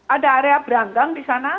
ada area beranggang di sana